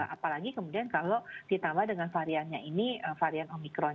apalagi kemudian kalau ditambah dengan variannya ini varian omikron